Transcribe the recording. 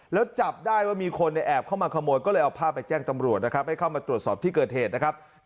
แล้วจับได้ว่ามีคนแอบเข้ามาขโมยก็เลยเอาผ้าไปแจ้งตำรวจนะครับ